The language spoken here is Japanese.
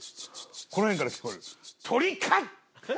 この辺から聞こえる。